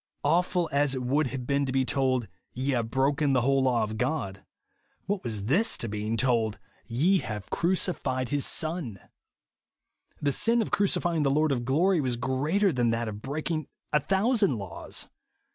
Awful as it would have been to be told, "Ye have broken the whole law of God ;" what was this to being told, " Ye have crucified his Son T The sin of crucifying the Lord of glory was greater than that of breaking a thousand laws.